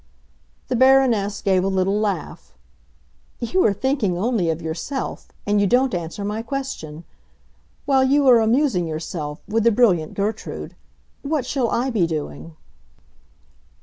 The Baroness gave a little laugh. "You are thinking only of yourself, and you don't answer my question. While you are amusing yourself—with the brilliant Gertrude—what shall I be doing?"